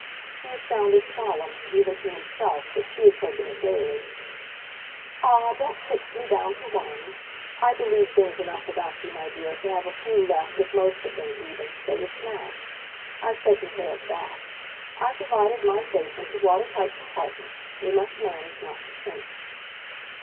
He had sounded solemn, even to himself, but she had taken it gaily. "Ah, don't fix me down to 'one'! I believe things enough about you, my dear, to have a few left if most of them, even, go to smash. I've taken care of THAT. I've divided my faith into water tight compartments. We must manage not to sink."